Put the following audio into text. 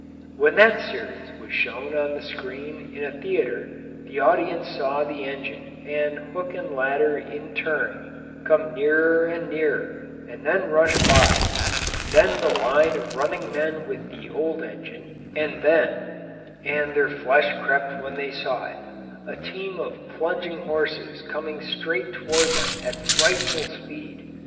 When that series was shown on the screen in a theatre the audience saw the engine and hook and ladder in turn come nearer and nearer and then rush by, then the line of running men with the old engine, and then and their flesh crept when they saw it a team of plunging horses coming straight toward them at frightful speed.